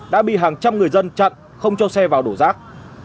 đã bị hàng trăm người dân chặn không cho xe vào đổ rác